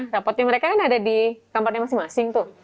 rapotnya mereka kan ada di kamarnya masing masing tuh